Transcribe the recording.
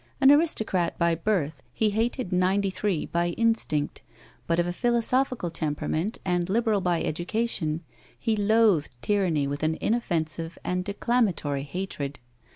An aristocrat by birth, he hated '93 by instinct ; but of a philosophical temperament and liberal by education, he loathed tyranny with an inoffensive and de clamatory hatred.